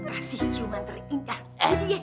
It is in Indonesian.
kasih cium antre ini